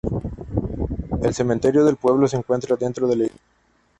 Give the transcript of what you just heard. El cementerio del pueblo se encuentra dentro de la Iglesia.